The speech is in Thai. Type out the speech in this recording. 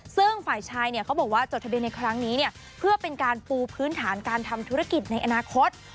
ซึ่งฝ่ายชายเนี่ยเขาบอกว่าจดทะเบียนในครั้งนี้เนี่ยเพื่อเป็นการปูพื้นฐานการทำธุรกิจในอนาคต